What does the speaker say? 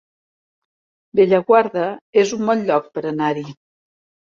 Bellaguarda es un bon lloc per anar-hi